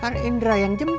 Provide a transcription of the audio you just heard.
kalau indra yang jemput